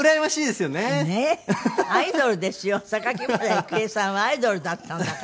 榊原郁恵さんはアイドルだったんだから。